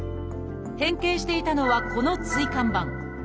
変形していたのはこの椎間板。